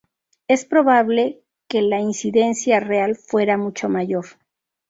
Es probable que la incidencia real fuera mucho mayor.